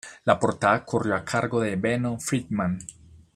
La portada corrió a cargo de Benno Friedman.